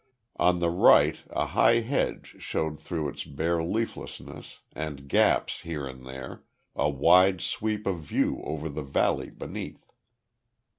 On the right a high hedge showed through its bare leaflessness and gaps here and there, a wide sweep of view over the valley beneath.